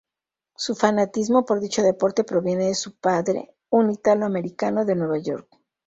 Su fanatismo por dicho deporte proviene de su padre, un ítalo-americano de Nueva York.